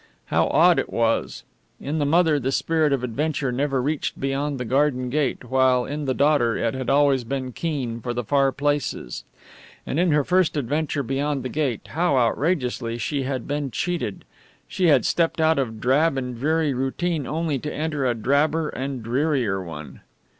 How odd it was! In the mother the spirit of adventure never reached beyond the garden gate, while in the daughter it had always been keen for the far places. And in her first adventure beyond the gate, how outrageously she had been cheated! She had stepped out of drab and dreary routine only to enter a drabber and drearier one.